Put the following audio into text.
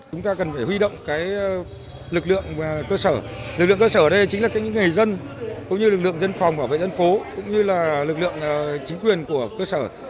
chúng ta cần phải huy động lực lượng cơ sở lực lượng cơ sở ở đây chính là những người dân cũng như lực lượng dân phòng bảo vệ dân phố cũng như là lực lượng chính quyền của cơ sở